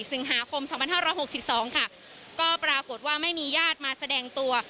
สิบหาคมสองพันห้าร้อยหกสิบสองค่ะก็ปรากฏว่าไม่มีญาติมาแสดงตัว